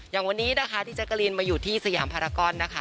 อย่างวันนี้นะคะพี่แจ๊กกะลีนมาอยู่ที่สยามภารกรนะคะ